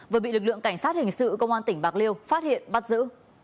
vừa bị lực lượng cảnh sát hình sự công an tỉnh bạc liêu phát hiện bắt giữ